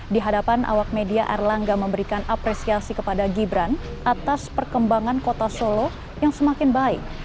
di hadapan awak media erlangga memberikan apresiasi kepada gibran atas perkembangan kota solo yang semakin baik